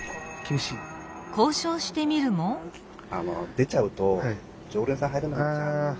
出ちゃうと常連さん入れなくなっちゃう。